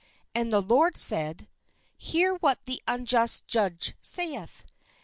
'* And the Lord said :" Hear what the unjust judge saith.